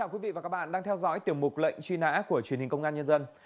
các bạn đang theo dõi tiểu mục lệnh truy nã của truyền hình công an nhân dân